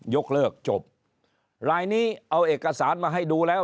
ยกเลิกจบลายนี้เอาเอกสารมาให้ดูแล้ว